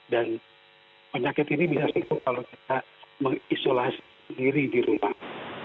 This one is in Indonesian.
dan penyakit ini bisa sebut kalau kita mengisolasi sendiri di rumah